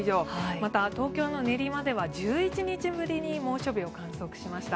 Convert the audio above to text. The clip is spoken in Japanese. また、東京の練馬では１１日ぶりに猛暑日を観測しました。